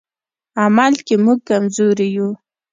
عمل کې موږ کمزوري یو.